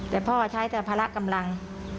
แต่พ่อใช้แต่ภาระกำลัง